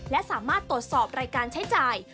และสามารถตรวจสอบรายการใช้จ่าย